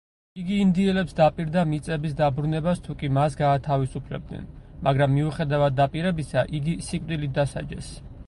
იგი ინდიელებს დაპირდა მიწების დაბრუნებას თუკი მას გაათავისუფლებდნენ, მაგრამ მიუხედავად დაპირებისა იგი სიკვდილით დასაჯეს.